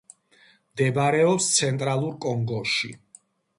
მდებარეობს ცენტრალურ კონგოში.